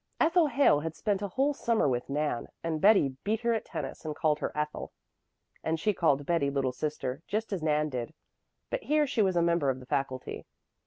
Ethel Hale had spent a whole summer with Nan, and Betty beat her at tennis and called her Ethel, and she called Betty little sister, just as Nan did. But here she was a member of the faculty.